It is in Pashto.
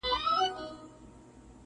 • دومره مړه کي په ښارونو کي وګړي -